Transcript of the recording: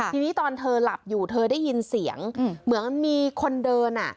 ทีนี้ตอนเธอหลับอยู่เธอได้ยินเสียงเหมือนมีคนเดิน